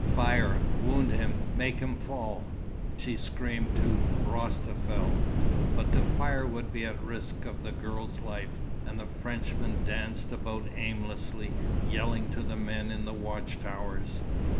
"Fire! wound him make him fall!" she screamed to Rostafel. But to fire would be at risk of the girl's life, and the Frenchman danced about aimlessly, yelling to the men in the watch towers.